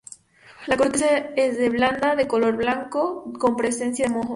La corteza es de blanda, de color blanco con presencia de moho.